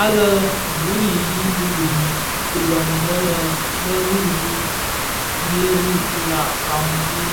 Àa le bu i yii di bi kilong inë bë ri bii ghêrii kula canji.